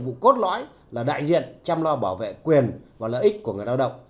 tổ chức cốt lõi là đại diện chăm lo bảo vệ quyền và lợi ích của người lao động